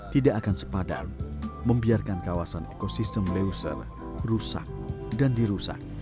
tidak akan sepadan membiarkan kawasan ekosistem leuser rusak dan dirusak